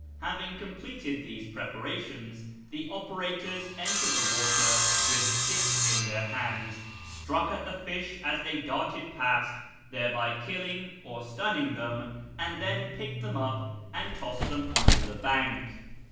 Having completed these preparations, the operators entered the water with sticks in their hands, struck at the fish as they darted past, thereby killing or stunning them, and then picked them up and tossed them on to the bank.